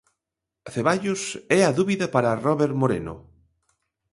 Ceballos é a dúbida para Robert Moreno.